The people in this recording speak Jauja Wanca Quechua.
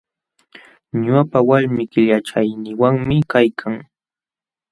Ñuqapa walmi killachayninwanmi kaykan.